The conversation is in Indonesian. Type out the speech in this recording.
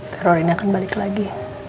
teror ini akan balik lagi